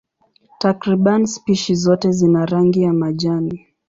Takriban spishi zote zina rangi ya majani.